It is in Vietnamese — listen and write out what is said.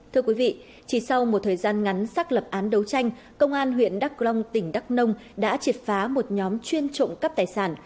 thưa quý vị chỉ sau một thời gian ngắn sắc lập án đấu tranh công an huyện đắc long tỉnh đắc nông đã triệt phá một nhóm chuyên trộm cấp tài sản